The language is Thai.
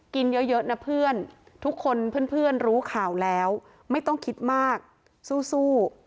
กินเยอะนะเพื่อนทุกคนเพื่อนรู้ข่าวแล้วไม่ต้องคิดมากสู้